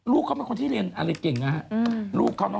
ลูกเขาเป็นคนที่เรียนอะไรเก่งนะฮะ